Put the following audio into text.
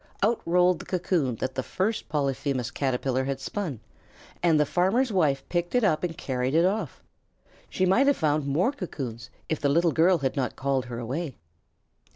Out rolled the cocoon that the first Polyphemus Caterpillar had spun and the farmer's wife picked it up and carried it off. She might have found more cocoons if the little girl had not called her away.